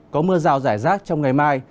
có mưa rào rải rác trong ngày mai